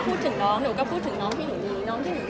คือต่อให้เลิกกับพอร์ตไปก็ไม่ได้มีผลอะไรใช่ไหมคะ